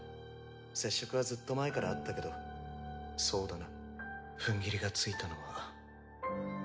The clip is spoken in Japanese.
接触はずっと前からあったけどそうだな踏ん切りがついたのは。